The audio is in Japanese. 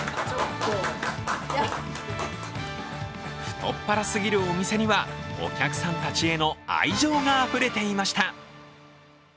太っ腹すぎるお店にはお客さんたちへの愛情があふれていました。